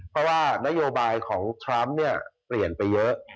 เพราะว่านโยบายของคลัมเปลี่ยนไปเยอะ